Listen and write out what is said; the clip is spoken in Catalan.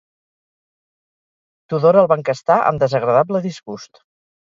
Tudor el va enquestar amb desagradable disgust.